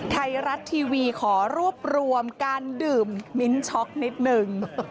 ไทยรัฐทีวีขอรวบรวมการดื่มมิ้นช็อกนิดนึง